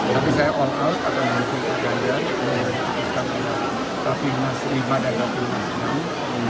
tapi saya all out akan mengikuti ganjar tapi masih berada di pembangunan sandiaga uno